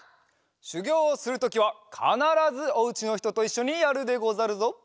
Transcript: しゅぎょうをするときはかならずおうちのひとといっしょにやるでござるぞ。